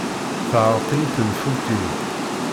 Teɛreq-iyi tenfult-inu.